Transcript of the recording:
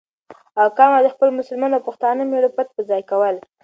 او کام او د خپل مسلمان او پښتانه مېـړه پت په ځای کول،